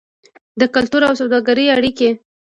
د کلتور او سوداګرۍ اړیکې.